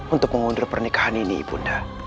untuk mengundur pernikahan ini ibu nda